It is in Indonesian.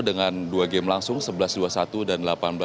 dengan dua game langsung sebelas dua puluh satu dan delapan belas dua puluh